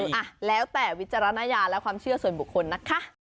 อ่ะแล้วแต่วิจารณญาณและความเชื่อส่วนบุคคลนะคะ